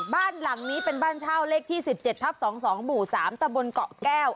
บ้านหลังนี้เป็นบ้านเช่าเลขที่๑๗ทับ๒๒หมู่๓ตะบนเกาะแก้ว